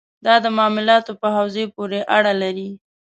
دا د معاملاتو په حوزې پورې اړه لري.